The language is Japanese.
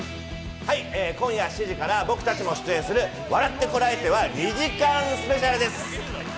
今夜７時から僕たちも出演する『笑ってコラえて！』は２時間スペシャルです！